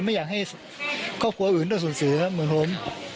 ไม่อยากให้ครอบครัวอื่นได้สูญเสียเหมือนผม